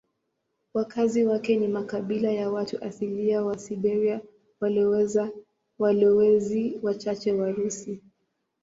Wakazi wake ni makabila ya watu asilia wa Siberia na walowezi wachache Warusi.